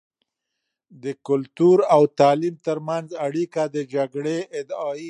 د کلتور او تعليم تر منځ اړیکه د جګړې ادعایی شې.